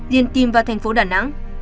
điền tìm vào tp đà nẵng